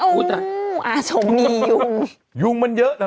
พูดได้